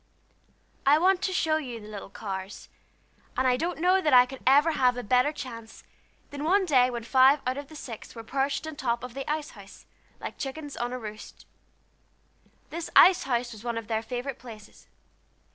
I want to show you the little Carrs, and I don't know that I could ever have a better chance than one day when five out of the six were perched on top of the ice house, like chickens on a roost. This ice house was one of their favorite places.